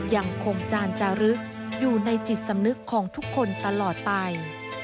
ยังคงจานจารึกอยู่ในจิตสำนึกของทุกคนตลอดไป